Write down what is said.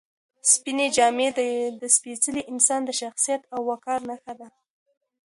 سپینې جامې د سپېڅلي انسان د شخصیت او وقار نښه ده.